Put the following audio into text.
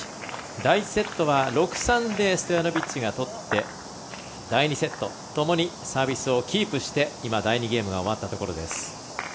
第１セットは６−３でストヤノビッチが取って第２セットともにサービスをキープして第２ゲームが終わったところです。